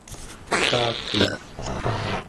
keggaken